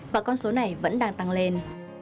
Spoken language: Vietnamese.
và con số này vẫn đang tăng lên